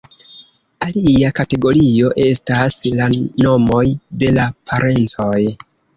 Alia kategorio estas la nomoj de la parencoj.